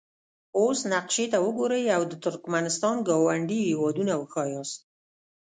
اوس نقشې ته وګورئ او د ترکمنستان ګاونډي هیوادونه وښایاست.